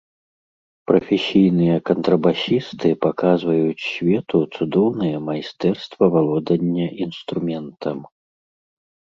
Прафесійныя кантрабасісты паказваюць свету цудоўнае майстэрства валодання інструментам.